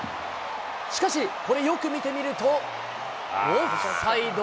しかし、これ、よく見てみると、オフサイド。